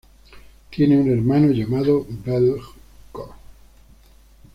Tiene un hermano llamado Veljko.